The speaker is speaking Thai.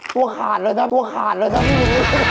ตัวขาดเลยนะตัวขาดเลยนะพี่วีน